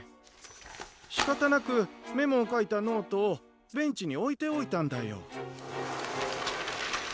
しかたなくメモをかいたノートをベンチにおいておいたんだよ。